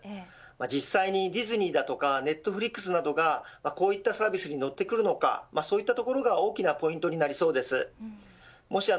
実際に、ディズニーだとかネットフリックスなどがこういったサービスに乗ってくるのかそういったところが大きなポイントとなりそうです。